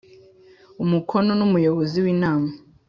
Umukono N Umuyobozi W Inama